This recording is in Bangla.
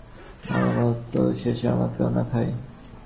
মার মতো শেষে আমাকেও না খায়!